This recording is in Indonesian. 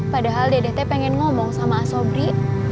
padahal dedet pengen ngomong sama asobri